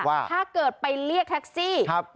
ว่าถ้าเกิดไปเรียกแท็กซี่ครับ